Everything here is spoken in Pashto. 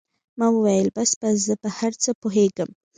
ما وويل بس بس زه په هر څه پوهېږم.